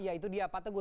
iya itu dia pak teguh